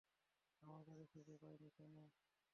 আমরা তাকে খুঁজে পাইনি, কেন?